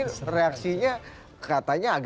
terima kasih banyak banyak